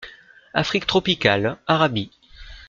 Afrique tropicale, Arabie.